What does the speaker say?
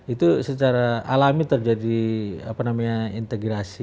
itu secara alami terjadi integrasi